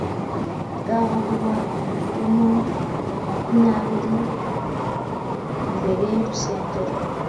bwaho buba imikono makumyabiri a imbere y urusengero